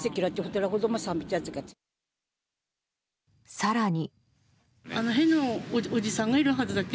更に。